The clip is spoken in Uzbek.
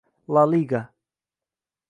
La Liga